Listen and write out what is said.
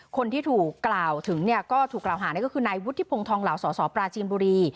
คนที่ถูกกล่าวถึงเนี่ยก็ถูกกล่าวหานี่ก็คือนายวุฒิพงศ์ทองเหล่าสสปราจีนบุรี